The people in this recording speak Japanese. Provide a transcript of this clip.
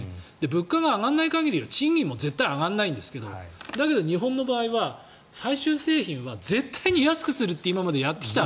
物価が上がらない限りは賃金も絶対に上がらないんですがだけど、日本の場合は最終製品は絶対に安くするって今までやってきた。